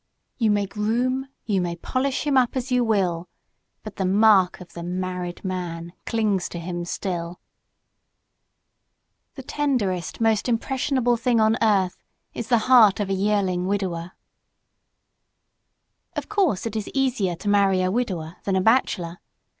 YOU MAY GROOM, YOU MAY POLISH HIM UP AS YOU WILL, BUT THE MARK OF THE "M A R R I E D M A N" CLINGS TO HIM STILL. [Illustration: You may polish him up ...] WIDOWERS THE tenderest, most impressionable thing on earth is the heart of a yearling widower. Of course it is easier to marry a widower than a bachelor.